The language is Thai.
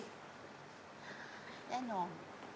แย้นง